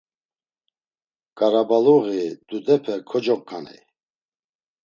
Ǩarabaluği dudepe kocoǩaney.